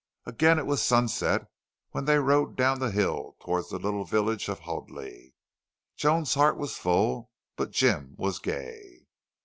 Again it was sunset when they rode down the hill toward the little village of Hoadley. Joan's heart was full, but Jim was gay.